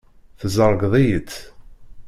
Tzergeḍ-iyi-tt.